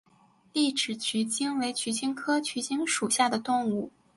栗齿鼩鼱为鼩鼱科鼩鼱属的动物。